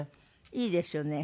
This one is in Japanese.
いいですよね。